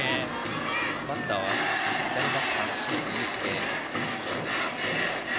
バッターは左バッターの清水友惺。